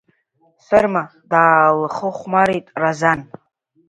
Сырма даалхыхәмарит Разан.